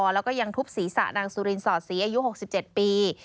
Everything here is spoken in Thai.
แล้วก็ยังทุบศีรษะนางสุรินสอดศรีอายุ๖๗ปี